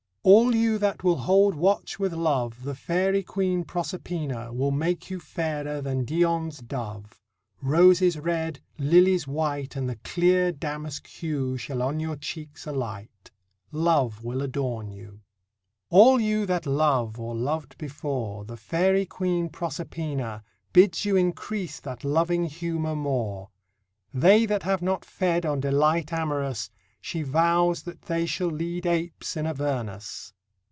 All you that will hold watch with love, The Fairy Queen Proserpina Will make you fairer than Dione's dove; Roses red, lilies white And the clear damask hue, Shall on your cheeks alight: Love will adorn you. All you that love, or lov'd before, The Fairy Queen Proserpina Bids you increase that loving humour more: They that have not fed On delight amorous, She vows that they shall lead Apes in Avernus.